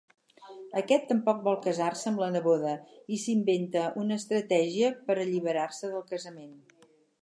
Aquest tampoc vol casar-se amb la neboda i s'inventa una estratègia per alliberar-se del casament.